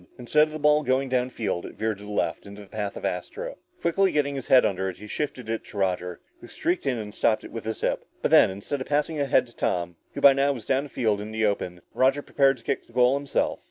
Instead of the ball going down field, it veered to the left, in the path of Astro. Quickly getting his head under it, he shifted it to Roger, who streaked in and stopped it with his hip. But then, instead of passing ahead to Tom, who by now was down field and in the open, Roger prepared to kick for the goal himself.